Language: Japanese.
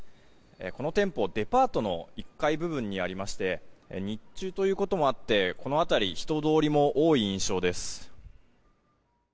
この店舗デパートの１階部分にありまして日中ということもあってこの辺り人通りも多い印象です。